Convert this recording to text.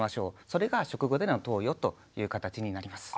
それが食後での投与という形になります。